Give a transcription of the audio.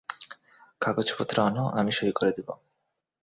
কাগজপত্র আনো, আমি সই করে দিব।